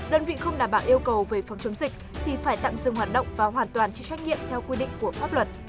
đơn vị không đảm bảo yêu cầu về phòng chống dịch thì phải tạm dừng hoạt động và hoàn toàn chịu trách nhiệm theo quy định của pháp luật